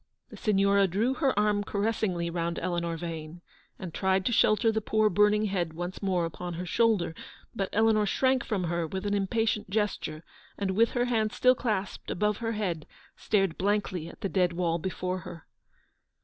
" The Signora drew her arm caressingly round Eleanor Yane, and tried to shelter the poor burning head once more upon her shoulder ; but Eleanor shrank from her with an impatient gesture, and, with her hands still clasped above GOOD SAMARITANS. 157 her head, stared blankly at the dead wall before her.